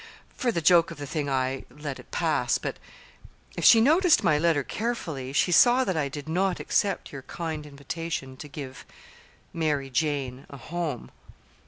For the joke of the thing I let it pass. But if she noticed my letter carefully, she saw that I did not accept your kind invitation to give 'Mary Jane' a home."